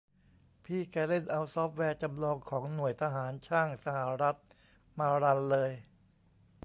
พี่แกเล่นเอาซอฟต์แวร์จำลองของหน่วยทหารช่างสหรัฐมารันเลย